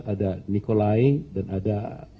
ada nikolai dan ada